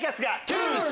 トゥース。